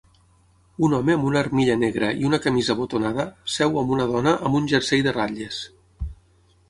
Un home amb una armilla negra i una camisa botonada seu amb una dona amb un jersei de ratlles